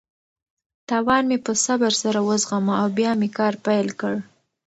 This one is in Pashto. تاوان مې په صبر سره وزغمه او بیا مې کار پیل کړ.